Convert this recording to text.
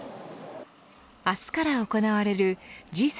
明日から行われるＧ７